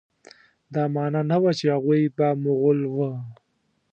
دا معنی نه ده چې هغوی به مغول وه.